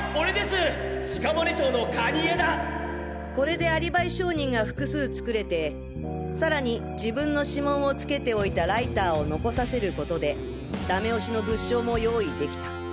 これでアリバイ証人が複数作れてさらに自分の指紋をつけておいたライターを残させることでダメ押しの物証も用意できた。